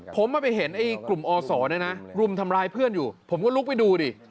ผมมาไปเห็นไอ้กลุ่มอศรุมทำร้ายเพื่อนอยู่ผมก็ลุกไปดูดิ